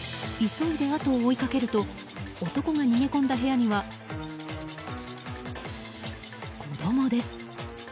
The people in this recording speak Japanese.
急いであとを追いかけると男が逃げ込んだ部屋には子供です。